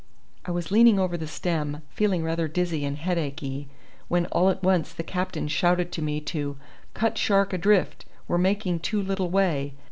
I was leaning over the stem, feeling rather dizzy and headachy when, all at once, the captain shouted to me to "cut shark adrift; we're making too little way.